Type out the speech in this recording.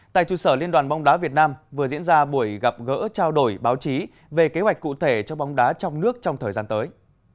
tại trụ sở liên đoàn bóng đá việt nam vừa diễn ra buổi gặp gỡ trao đổi báo chí về kế hoạch cụ thể cho bóng đá trong nước trong thời gian tới